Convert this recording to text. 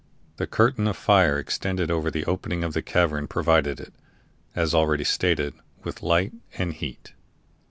The curtain of fire extending over the opening of the cavern provided it, as already stated, with light and heat.